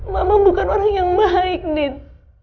mama bukan orang yang baik nin